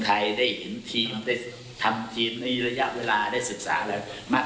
ซึ่งทางสมาคมกีฬาฟุตบอลก็พร้อมที่จะสนุนและอำนวยความสะดวกอย่างต่อเนื่อง